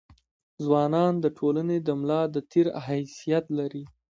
ځوانان د ټولني د ملا د تیر حيثيت لري.